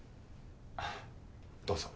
どうぞ。